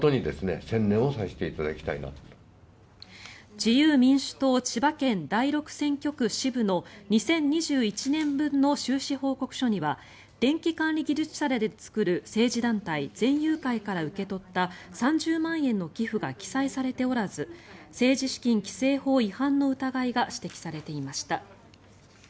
自由民主党千葉県第六選挙区支部の２０２１年分の収支報告書には電気管理技術者らで作る政治団体、全友会から受け取った３０万円の寄付が記載されておらず政治資金規正法違反の疑いが指摘されていました。